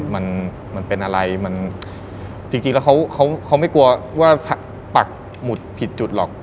มันมันเป็นอะไรมันจริงแล้วเขาเขาไม่กลัวว่าปักหมุดผิดจุดหรอก